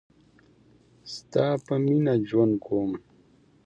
ستا په میینه ژوند کوم